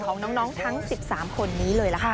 ของน้องทั้ง๑๓คนนี้เลยล่ะค่ะ